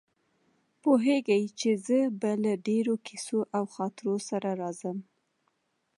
پوهېږي چې زه به له ډېرو کیسو او خاطرو سره راځم.